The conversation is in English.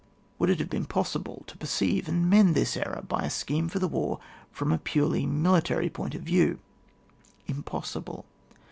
Would it have been possible to per ceive and mend this error by a scheme for the war from a purely mHitary point of view ? Impossible.